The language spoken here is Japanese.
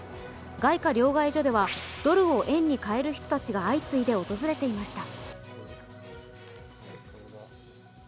外貨両替所では、ドルを円に替える人たちが相次いで訪れていました。